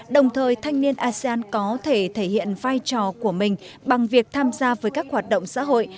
đồng thời thanh niên asean có thể thể hiện vai trò của mình bằng việc tham gia với các hoạt động xã hội